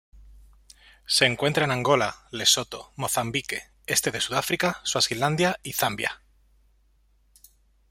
Se encuentra en Angola, Lesoto, Mozambique, este de Sudáfrica, Suazilandia y Zambia.